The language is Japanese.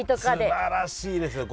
すばらしいですよ。